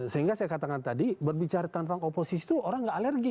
sehingga saya katakan tadi berbicara tentang oposisi itu orang nggak alergi